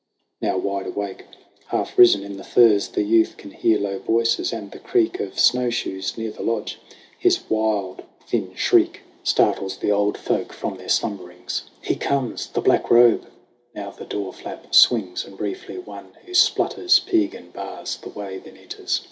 Now wide awake, half risen in the furs, The youth can hear low voices and the creak Of snowshoes near the lodge. His thin, wild shriek JAMIE 121 Startles the old folk from their slumberings : "He comes! The Black Robe!" Now the door flap swings, And briefly one who splutters Piegan, bars The way, then enters.